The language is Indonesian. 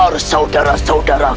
kepada prabu siliwang